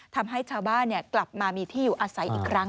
ทำให้ชาวบ้านกลับมามีที่อยู่อาศัยอีกครั้ง